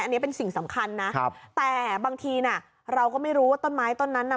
อันนี้เป็นสิ่งสำคัญนะครับแต่บางทีน่ะเราก็ไม่รู้ว่าต้นไม้ต้นนั้นน่ะ